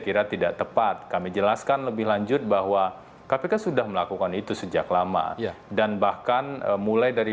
kira tidak tepat kami jelaskan lebih lanjut bahwa kpk sudah melakukan itu sejak lama dan bahkan mulai dari